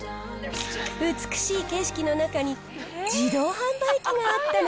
美しい景色の中に自動販売機があったの。